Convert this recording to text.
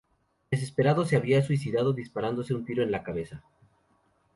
Desesperado, se había suicidado disparándose un tiro en la cabeza.